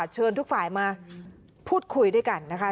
เชิญทุกฝ่ายมาพูดคุยด้วยกันนะคะ